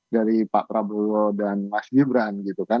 dari pak prabowo dan mas gibran gitu kan